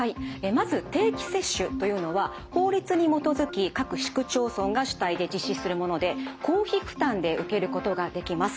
まず定期接種というのは法律に基づき各市区町村が主体で実施するもので公費負担で受けることができます。